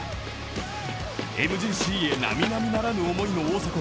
ＭＧＣへなみなみならぬ思いの大迫。